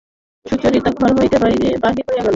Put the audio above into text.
সুচরিতা ঘর হইতে বাহির হইয়া গেল।